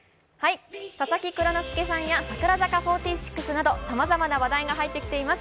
佐々木蔵之介さんや櫻坂４６などさまざまな話題が入ってきています。